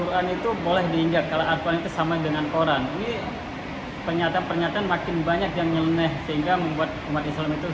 ruslan mengatakan penistaan al quran bukan wahyu allah tapi dari nabi muhammad